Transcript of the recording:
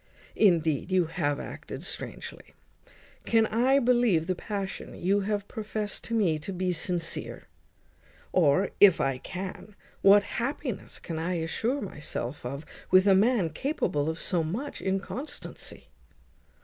Indeed, you have acted strangely. Can I believe the passion you have profest to me to be sincere? Or, if I can, what happiness can I assure myself of with a man capable of so much inconstancy?"